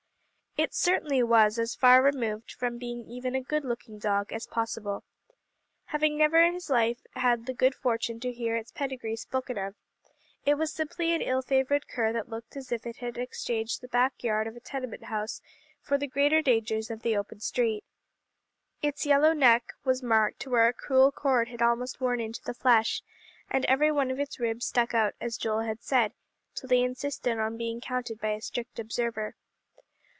It certainly was as far removed from being even a good looking dog as possible. Having never in its life had the good fortune to hear its pedigree spoken of, it was simply an ill favored cur that looked as if it had exchanged the back yard of a tenement house for the greater dangers of the open street. Its yellow neck was marked where a cruel cord had almost worn into the flesh, and every one of its ribs stuck out as Joel had said, till they insisted on being counted by a strict observer.